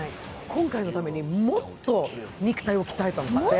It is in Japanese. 今回のために、もっと肉体を鍛えたんだって。